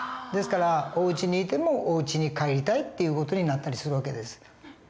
ですからおうちにいてもおうちに帰りたいっていう事になったりする訳です。